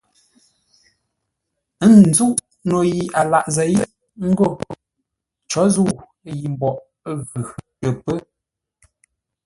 Ə́ nzúʼ no yi a lǎʼ zěi, ə́ ngó: có zə̂u yǐ mboʼ ə́ ghʉ tə pə́.